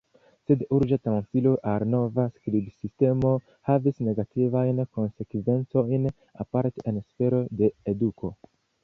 Sed urĝa transiro al nova skribsistemo havis negativajn konsekvencojn, aparte en sfero de eduko.